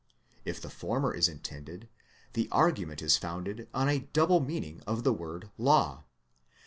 If the former be intended, the argument is founded on a double meaning of the word Law.